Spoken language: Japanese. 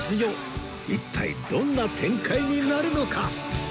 一体どんな展開になるのか？